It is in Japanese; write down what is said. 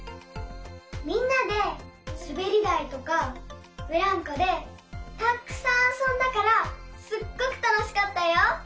みんなですべりだいとかブランコでたっくさんあそんだからすっごくたのしかったよ。